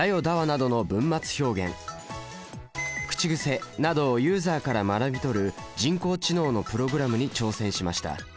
「だわ」などの文末表現口癖などをユーザーから学び取る人工知能のプログラムに挑戦しました。